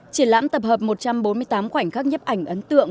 triển lãm tập hợp một trăm bốn mươi tám khoảnh khắc nhấp ảnh ấn tượng